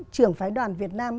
trưởng phái đoàn việt nam